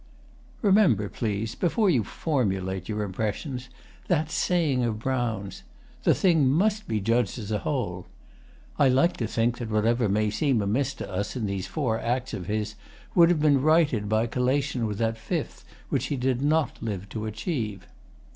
] Remember, please, before you formulate your impressions, that saying of Brown's: 'The thing must be judged as a whole.' I like to think that whatever may seem amiss to us in these Four Acts of his would have been righted by collation with that Fifth which he did not live to achieve.